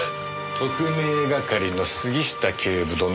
特命係の杉下警部殿。